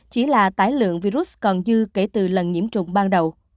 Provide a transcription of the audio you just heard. chỉ là tái lượng virus còn dư kể từ lần nhiễm trùng ban đầu